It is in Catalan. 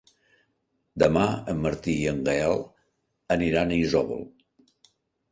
Demà en Martí i en Gaël aniran a Isòvol.